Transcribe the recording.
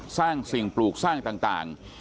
สร้างสิ่งปลูกสร้างต่าง